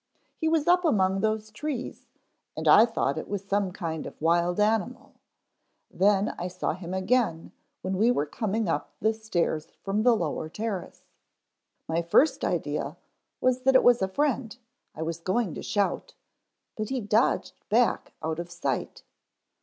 He was up among those trees and I thought it was some kind of wild animal, then I saw him again when we were coming up the stairs from the lower terrace. My first idea was that it was a friend, I was going to shout, but he dodged back out of sight.